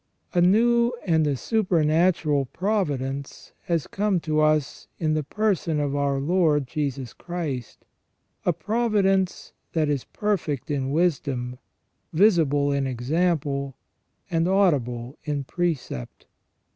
A new and a supernatural providence has come to us in the person of our Lord Jesus Christ, a providence that is perfect in wisdom, visible in example, and audible in precept.